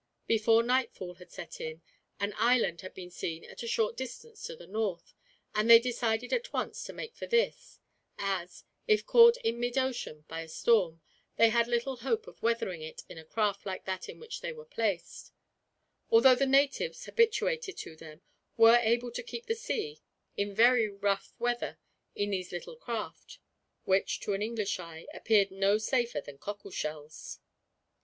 Before nightfall had set in, an island had been seen at a short distance to the north, and they decided at once to make for this; as, if caught in mid ocean by a storm, they had little hope of weathering it in a craft like that in which they were placed; although the natives, habituated to them, were able to keep the sea in very rough weather in these little craft; which, to an English eye, appeared no safer than cockleshells.